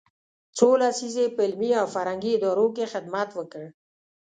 څو لسیزې یې په علمي او فرهنګي ادارو کې خدمت وکړ.